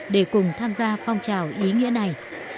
để cùng tham gia phong trào ý nghĩa này